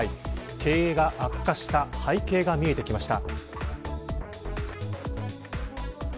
経営が悪化した背景が見えてきました。